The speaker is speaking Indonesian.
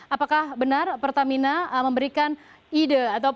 apakah benar pertamina memberikan ide